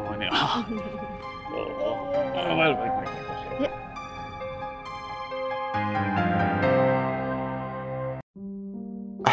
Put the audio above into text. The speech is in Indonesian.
masuk gak apa apa